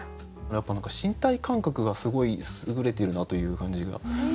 やっぱ何か身体感覚がすごいすぐれてるなという感じが。